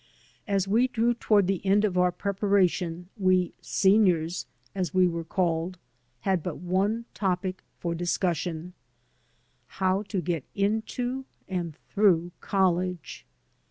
As we drew toward the end of our preparation, we "seniors," as we were called, had but one topic for discussion — ^how to get into and through college.